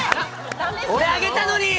俺、あげたのにぃ！